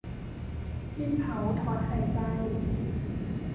ดินเผาถอนหายใจ